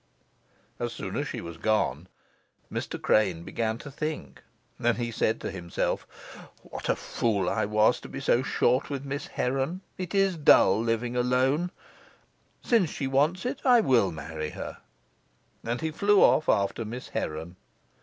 As soon as she was gone Mr. Crane began to think, and he said to himself, "What a fool I was to be so short with Miss Heron! It's dull living alone. Since she wants it, I will marry her." And he flew off after Miss Heron.